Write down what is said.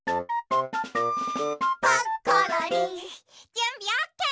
じゅんびオッケー！